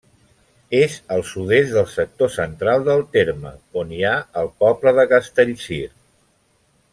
És al sud-est del sector central del terme, on hi ha el poble de Castellcir.